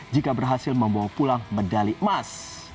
jika berhasil membawa pulang medali emas